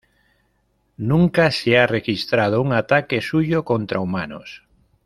Nunca se ha registrado un ataque suyo contra humanos.